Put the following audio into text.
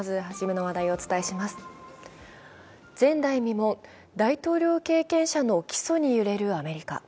前代未聞、大統領経験者の起訴に揺れるアメリカ。